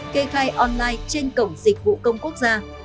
kê khai online trên cổng dịch vụ công quốc gia